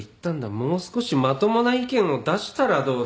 もう少しまともな意見を出したらどうだ？